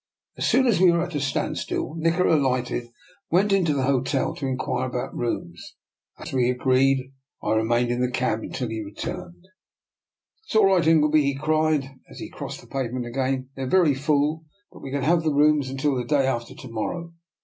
As soon as we were at a standstill, Nikola alighted and went into the hotel to in quire about rooms. As we had agreed, I re mained in the cab until he returned. " It's all right, Ingleby," he cried, as he DR. NIKOLA'S EXPERIMENT. 141 crossed the pavement again. " They're very full, but we can have the rooms until the day after to morrow.